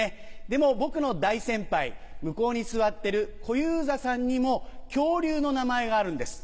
でも僕の大先輩向こうに座ってる小遊三さんにも恐竜の名前があるんです。